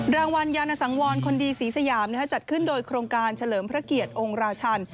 รางวัลยานสังวรคนดีศรีสยามจัดขึ้นโดยโครงการเฉลิมพระเกียรติองค์ราชัน